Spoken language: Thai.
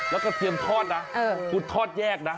แล้วกระเทียมทอดนะคุณทอดแยกนะ